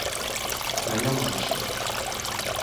Gañamos hoxe.